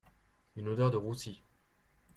Une odeur de roussi